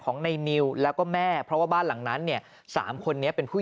ในนิวแล้วก็แม่เพราะว่าบ้านหลังนั้นเนี่ย๓คนนี้เป็นผู้หญิง